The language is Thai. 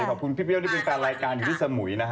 ขอบคุณพี่เปรี้ยวที่เป็นแฟนรายการอยู่ที่สมุยนะฮะ